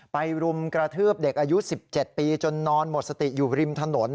รุมกระทืบเด็กอายุ๑๗ปีจนนอนหมดสติอยู่ริมถนน